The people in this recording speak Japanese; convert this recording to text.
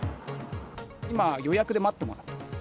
今、予約で待ってもらってます。